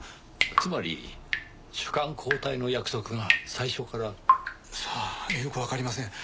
つまり主幹交代の約束が最初から？さあよくわかりません。